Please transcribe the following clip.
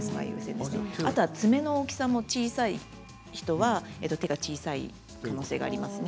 爪の大きさの小さい人は手が小さい可能性がありますね。